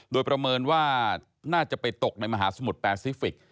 โดยประเมินว่าน่าจะไปตกในมหาสมุทรแปซิฟิกส